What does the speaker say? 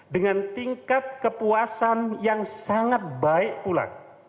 dengan tingkat kepuasan yang sangat baik pula